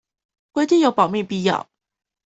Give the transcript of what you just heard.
規定有保密必要